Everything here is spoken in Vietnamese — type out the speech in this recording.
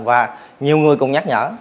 và nhiều người cũng nhắc nhở